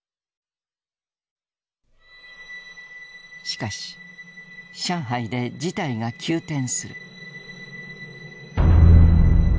しかし上海で事態が急転する。